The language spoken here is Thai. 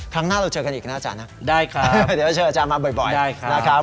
ครั้งหน้าเราเจอกันอีกนะอาจารย์นะได้ครับเดี๋ยวเชิญอาจารย์มาบ่อยนะครับ